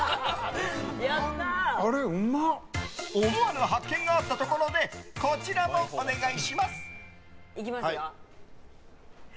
思わぬ発見があったところでこちらもお願いします。